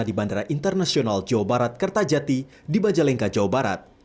di bandara internasional jawa barat kertajati di majalengka jawa barat